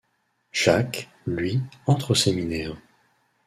Jacques, lui, entre au séminaire.